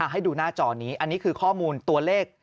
ให้ดูหน้าจอนี้อันนี้คือข้อมูลตัวเลข